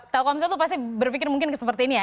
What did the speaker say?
telkomsel itu pasti berpikir mungkin seperti ini ya